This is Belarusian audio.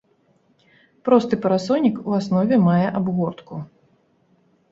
Просты парасонік у аснове мае абгортку.